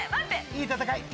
いい戦い！